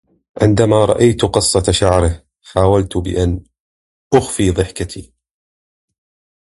عندما رأيت قصة شعره، حاولت بأن أخفي ضحكتي.